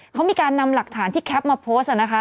เขามีการนำหลักฐานที่แคปมาโพสต์นะคะ